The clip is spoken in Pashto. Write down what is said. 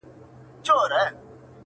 ناموسي دودونه اصل ستونزه ده ښکاره,